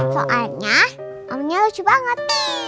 soalnya omnya lucu banget